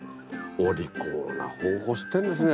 お利口な方法知ってんですね